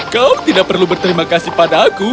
kau tidak perlu berterima kasih pada aku